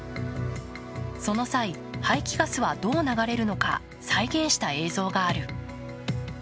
その際、排気ガスはどう流れるのか再現した映像がある。